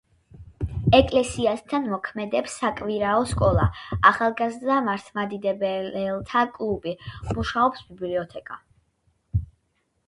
ეკლესიასთან მოქმედებს საკვირაო სკოლა, ახალგაზრდა მართლმადიდებელთა კლუბი, მუშაობს ბიბლიოთეკა.